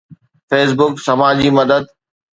Facebook سماجي مدد